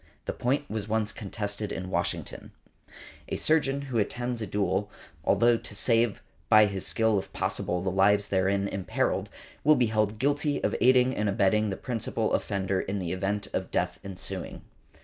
The point was once contested in Washington . |144| A surgeon who attends a duel, although to save by his skill if possible the lives therein imperilled, will be held guilty of aiding and abetting the principal offender in the event of death ensuing .